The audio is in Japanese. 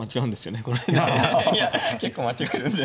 いや結構間違えるんで。